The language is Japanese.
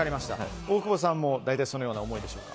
大久保さんも大体そのような思いでしょうか？